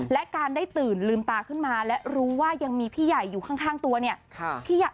และการได้ตื่นลืมตาขึ้นมาและรู้ว่ายังมีพี่ใหญ่อยู่ข้างตัวเนี่ย